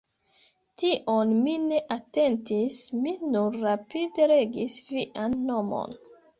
Tion mi ne atentis, mi nur rapide legis vian nomon.